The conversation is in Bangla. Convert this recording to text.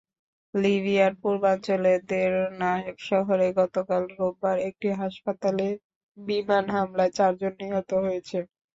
লিবিয়ার পূর্বাঞ্চলের দেরনা শহরে গতকাল রোববার একটি হাসপাতালে বিমান হামলায় চারজন নিহত হয়েছে।